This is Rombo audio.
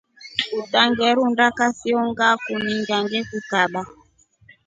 Utamerunda kasiyo ngakuninga ngekukaba.